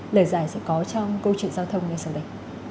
lời giải sẽ có trong câu chuyện giao thông ngay sau đây